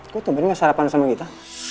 kok tumpennya gak sarapan sama kita